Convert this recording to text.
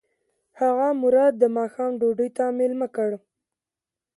هغه مراد د ماښام ډوډۍ ته مېلمه کړ.